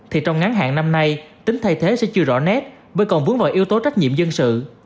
thì trong ngắn hạn năm nay tính thay thế sẽ chưa rõ nét bởi còn vướng vào yếu tố trách nhiệm dân sự